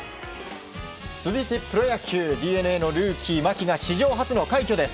続いてプロ野球ＤｅＮＡのルーキー牧が史上初の快挙です。